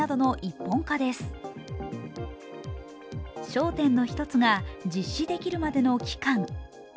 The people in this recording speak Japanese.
焦点の一つが、実施できるまでの期間。